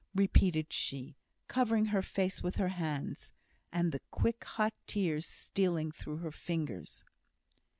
repeated she, covering her face with her hands, and the quick hot tears stealing through her fingers.